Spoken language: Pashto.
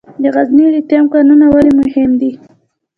د غزني لیتیم کانونه ولې مهم دي؟